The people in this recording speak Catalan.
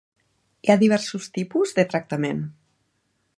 Hi ha diversos tipus de tractament.